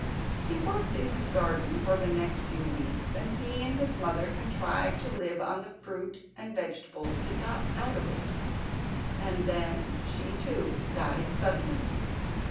He worked in his garden for the next few weeks, and he and his mother contrived to live on the fruit and vegetables he got out of it, and then she too died suddenly.